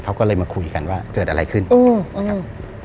เขาก็เลยมาคุยกันว่าเกิดอะไรขึ้นนะครับ